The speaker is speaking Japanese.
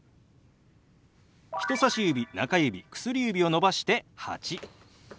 人さし指中指薬指を伸ばして「８」。